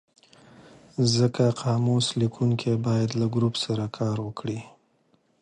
ځکه قاموس لیکونکی باید له ګروپ سره کار وکړي.